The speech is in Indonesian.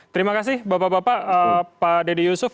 terima kasih bapak bapak pak dede yusuf